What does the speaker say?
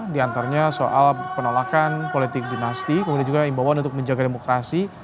di antaranya soal penolakan politik dinasti kemudian juga imbauan untuk menjaga demokrasi